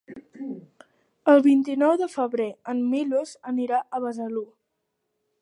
El vint-i-nou de febrer en Milos anirà a Besalú.